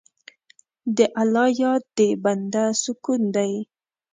د الله یاد د بنده سکون دی.